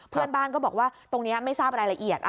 เพื่อนบ้านก็บอกว่าตรงนี้ไม่ทราบรายละเอียด